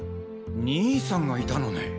兄さんがいたのね。